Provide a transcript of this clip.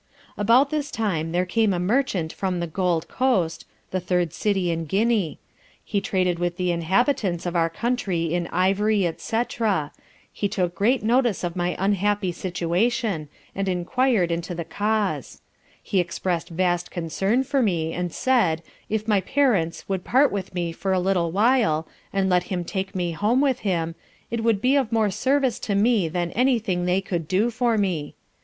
About this time there came a merchant from the Gold Coast (the third city in Guinea) he traded with the inhabitants of our country in ivory &c. he took great notice of my unhappy situation, and enquired into the cause; he expressed vast concern for me, and said, if my parents would part with me for a little while, and let him take me home with him, it would be of more service to me than any thing they could do for me.